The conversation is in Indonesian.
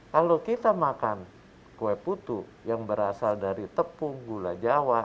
kalau kita makan kue putu yang berasal dari tepung gula jawa